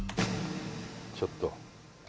ちょっと。